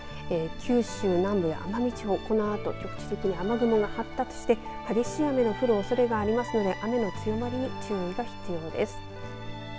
九州南部や奄美地方このあと局地的に雨雲発達して激しい雨の降るおそれがありますので、雨の強まりに注意が必要です。